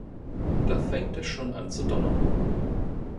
Da fängt es schon an zu donnern.